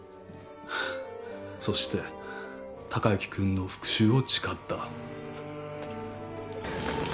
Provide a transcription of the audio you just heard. そして貴之君の復讐を誓った